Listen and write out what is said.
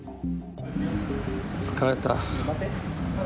疲れた。